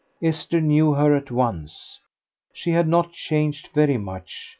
Esther knew her at once. She had not changed very much.